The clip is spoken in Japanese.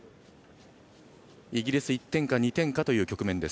イギリス１点か２点かという局面。